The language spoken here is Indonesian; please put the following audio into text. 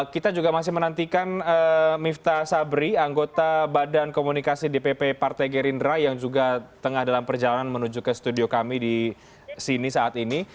kita juga masih menantikan miftah sabri anggota badan komunikasi dpp partai gerindra yang juga tengah dalam perjalanan menuju ke studio kami di sini saat ini